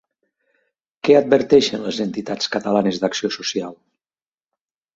Què adverteixen les Entitats Catalanes d'Acció Social?